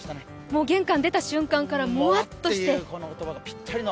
もう玄関出た瞬間からもわっとして。